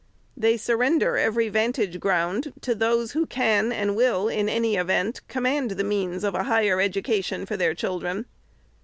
They surrender every vantage ground to those who can and will, in any event, com mand the means of a higher education for their children.